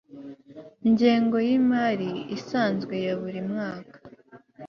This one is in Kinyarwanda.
ngengo y imari isanzwe ya buri mwaka